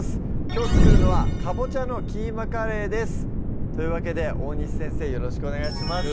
きょう作るのは「かぼちゃのキーマカレー」ですというわけで大西先生よろしくお願いします